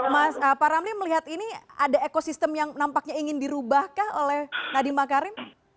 mas pak ramli melihat ini ada ekosistem yang nampaknya ingin dirubahkah oleh nadiem makarim